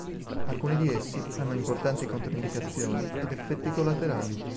Alcuni di essi hanno importanti controindicazioni ed effetti collaterali.